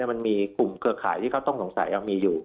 มันมีกลุ่มเครือข่ายที่เขาต้องสงสัยมีอยู่